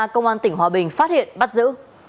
công an tỉnh hòa bình phát hiện bắt giữ